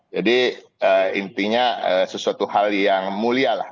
jadi intinya sesuatu hal yang mulia lah